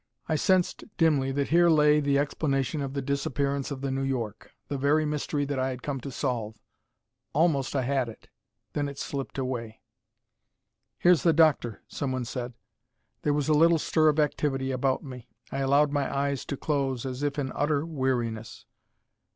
I sensed dimly that here lay the explanation of the disappearance of the New York, the very mystery that I had come to solve. Almost I had it; then it slipped away. "Here's the doctor!" someone said. There was a little stir of activity about me. I allowed my eyes to close, as if in utter weariness.